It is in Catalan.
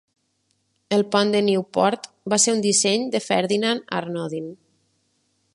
El pont de Newport va ser un disseny de Ferdinand Arnodin.